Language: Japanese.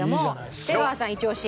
出川さんイチ押し。